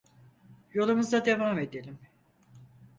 Yolumuza devam edelim.